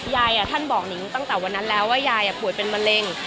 ยายท่านบอกนิงตั้งแต่วันนั้นแล้วว่ายายป่วยเป็นมะเร็ง